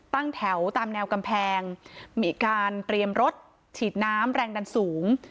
ตั้งแถวตามแนวกำแพงมีการเตรียมรถฉีดน้ำแรงดันสูง